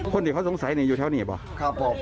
คนที่เขาสงสัยก็อยู่เท่านี้ป่ะ